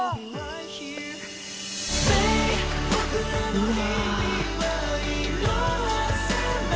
うわ。